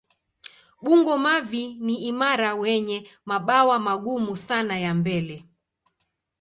Bungo-mavi ni imara wenye mabawa magumu sana ya mbele.